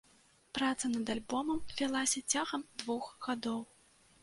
Праца над альбомам вялася цягам двух гадоў.